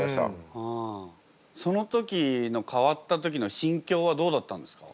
その時の変わった時の心境はどうだったんですか？